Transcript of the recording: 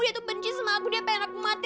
dia tuh benci sama aku dia pengen aku mati